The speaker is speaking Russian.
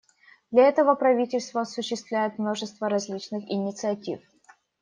Для этого правительство осуществляет множество различных инициатив.